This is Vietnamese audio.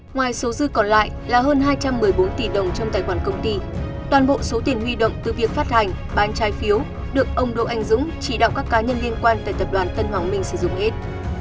ngoài số dư còn lại là hơn hai trăm một mươi bốn tỷ đồng trong tài khoản công ty toàn bộ số tiền huy động từ việc phát hành bán trái phiếu được ông đỗ anh dũng chỉ đạo các cá nhân liên quan tại tập đoàn tân hoàng minh sử dụng hết